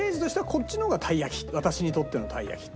私にとってのたい焼きって。